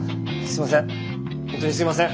すいません！